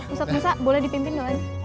ustadz musa boleh dipimpin doang